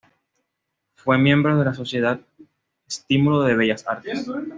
Fue miembro de la Sociedad Estímulo de Bellas Artes.